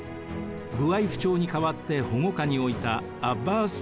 ブワイフ朝に代わって保護下に置いたアッバース